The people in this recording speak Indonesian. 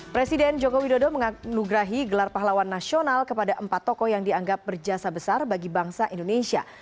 presiden joko widodo menganugerahi gelar pahlawan nasional kepada empat tokoh yang dianggap berjasa besar bagi bangsa indonesia